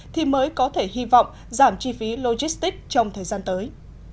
thì mới có thể hy vọng giảm chi phí logistics trong thời gian tới